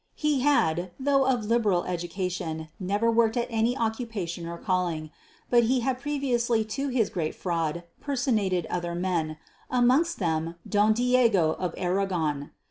He had, though of liberal education, never worked at any occupation or calling; but he had previously to his great fraud, personated other men amongst them Don Diego of Arragon.